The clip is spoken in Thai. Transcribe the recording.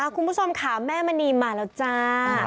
คุณผู้ชมค่ะแม่มณีมาแล้วจ้า